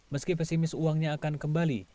meski pesimis uangnya akan kembali